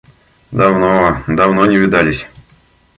Давно, давно не видались».